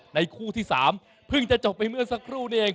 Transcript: คู่ที่๓เพิ่งจะจบไปเมื่อสักครู่นี้เอง